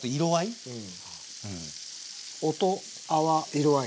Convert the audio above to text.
音泡色合い。